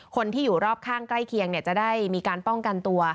คนที่อยู่รอบข้างใกล้เคียงจะได้มีการป้องกันตัว